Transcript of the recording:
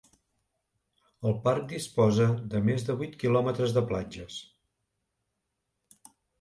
El parc disposa de més de vuit kilòmetres de platges.